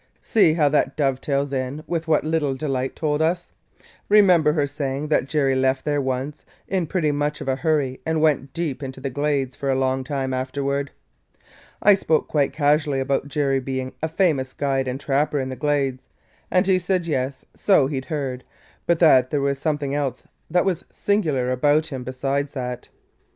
See how that dovetails in with what little Delight told us? Remember her saying that Jerry left there once in pretty much of a hurry and went deep into the Glades for a long time afterward? I spoke quite casually about Jerry being a famous guide and trapper in the Glades; and he said yes, so he 'd heard, but that there was something else that was singular about him beside that.